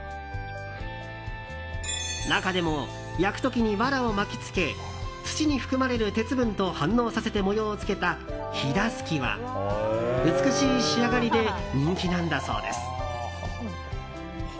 中でも焼く時に、わらを巻き付け土に含まれる鉄分と反応させて模様をつけた緋襷は美しい仕上がりで人気なんだそうです。